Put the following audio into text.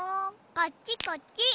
こっちこっち！